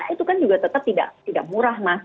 itu kan juga tetap tidak murah mas